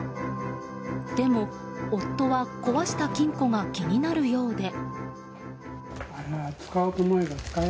でも、夫は壊した金庫が気になるようで。